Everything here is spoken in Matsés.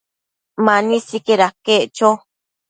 Mani sicaid aquec cho